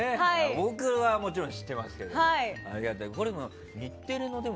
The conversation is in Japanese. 僕はもちろん知ってますけども。